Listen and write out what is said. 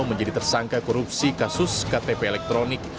menjadi tersangka korupsi kasus ktp elektronik